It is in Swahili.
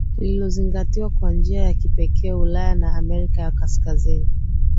lililozingatiwa kwa njia ya kipekee Ulaya na Amerika ya Kaskazini